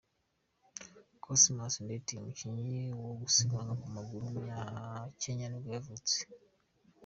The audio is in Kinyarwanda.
Cosmas Ndeti, umukinnyi wo gusiganwa ku maguru w’umunyakenya nibwo yavutse.